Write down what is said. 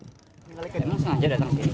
emang sengaja datang sini